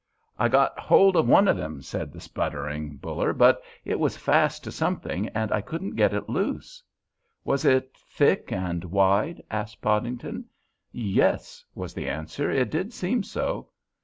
"I got hold of one of them," said the sputtering Buller, "but it was fast to something and I couldn't get it loose." "Was it thick and wide?" asked Podington. "Yes," was the answer; "it did seem so."